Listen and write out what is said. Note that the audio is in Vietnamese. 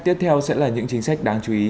tiếp theo sẽ là những chính sách đáng chú ý